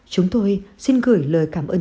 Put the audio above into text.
chúng tôi xin gửi lời cảm ơn